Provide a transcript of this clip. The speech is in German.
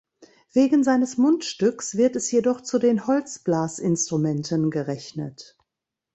Wegen seines Mundstücks wird es jedoch zu den Holzblasinstrumenten gerechnet.